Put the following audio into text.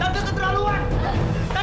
t dewi terlalu wan